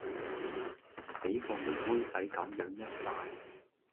俾個妹妹仔咁樣一讚